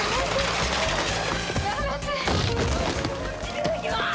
いただきます！